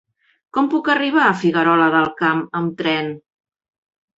Com puc arribar a Figuerola del Camp amb tren?